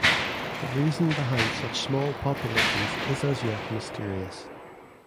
The reason behind such small populations is as yet mysterious.